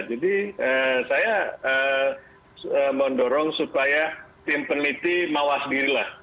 jadi saya mendorong supaya tim peneliti mawas dirilah